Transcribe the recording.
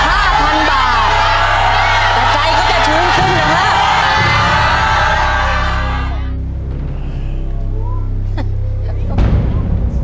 ถ้าถูกข้อแรกนะครับ